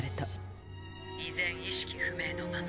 「依然意識不明のまま。